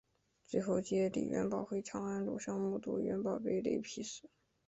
最后接李元霸回长安路上目睹元霸被雷劈死。